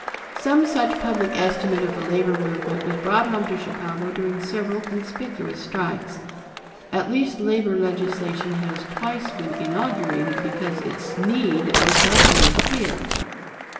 Some such public estimate of the labor movement was brought home to Chicago during several conspicuous strikes; at least labor legislation has twice been inaugurated because its need was thus made clear.